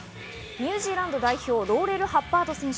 ニュージーランド代表、ローレル・ハッバード選手。